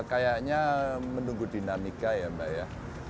kayaknya menunggu dinamika ya mbak ya